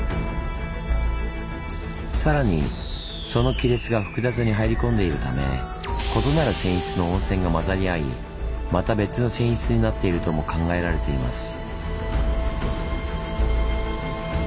さらにその亀裂が複雑に入り込んでいるため異なる泉質の温泉が混ざり合いまた別の泉質になっているとも考えられています。